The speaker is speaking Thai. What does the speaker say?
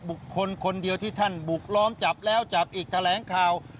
บุคคลคนเดียวที่ท่านบุกล้อมจับแล้วจับอีกแถลงข่าว